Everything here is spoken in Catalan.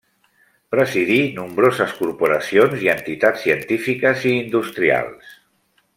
Presidí nombroses corporacions i entitats científiques i industrials.